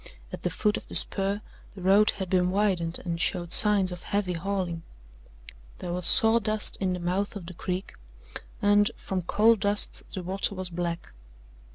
At the foot of the spur the road had been widened and showed signs of heavy hauling. There was sawdust in the mouth of the creek and, from coal dust, the water was black.